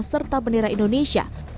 serta bendera indonesia